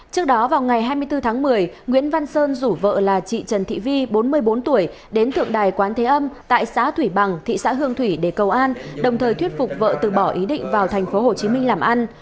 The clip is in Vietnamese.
trước đó vào ngày hai mươi bốn tháng một mươi nguyễn văn sơn rủ vợ là chị trần thị vi bốn mươi bốn tuổi đến thượng đài quán thế âm tại xã thủy bằng thị xã hương thủy để cầu an đồng thời thuyết phục vợ từ bỏ ý định vào tp hcm làm ăn